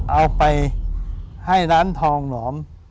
เอาไปให้ร้านทองหนอม